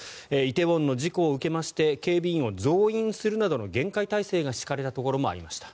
梨泰院の事故を受けまして警備員を増員するなどの厳戒態勢が敷かれたところもありました。